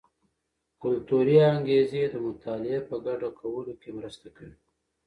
کلتوري انګیزې د مطالعې په ګډه کولو کې مرسته کوي.